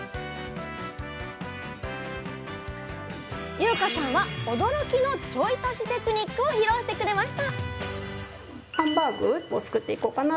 優夏さんは驚きの「ちょい足しテクニック」を披露してくれました